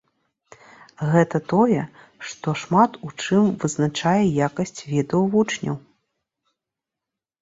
Гэта тое, што шмат у чым вызначае якасць ведаў вучняў.